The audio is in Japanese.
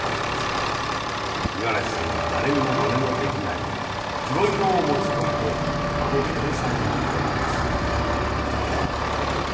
五十嵐さんは誰にもまねのできない黒色を持つ鯉で間野実さんに挑みます。